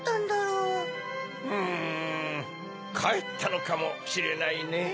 うんかえったのかもしれないねぇ。